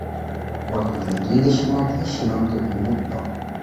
বর্তমানে দুই দেশের মধ্যে সীমান্ত উন্মুক্ত।